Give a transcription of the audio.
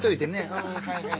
ああはいはい。